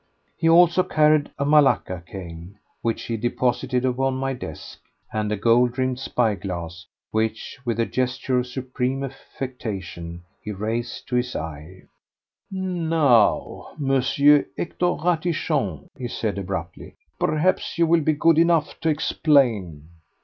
He also carried a malacca cane, which he deposited upon my desk, and a gold rimmed spy glass which, with a gesture of supreme affectation, he raised to his eye. "Now, M. Hector Ratichon," he said abruptly, "perhaps you will be good enough to explain."